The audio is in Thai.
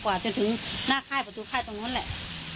กว่าจะถึงหน้าค่ายประตูค่ายตรงนู้นแหละ